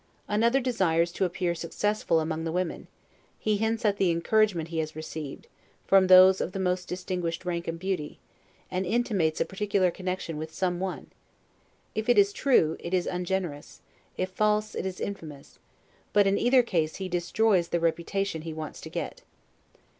Another desires to appear successful among the women; he hints at the encouragement he has received, from those of the most distinguished rank and beauty, and intimates a particular connection with some one; if it is true, it is ungenerous; if false, it is infamous: but in either case he destroys the reputation he wants to get.